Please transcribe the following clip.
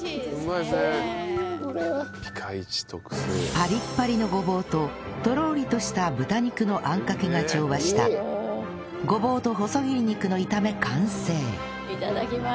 パリッパリのごぼうととろりとした豚肉のあんかけが調和したごぼうと細切り肉の炒め完成いただきます。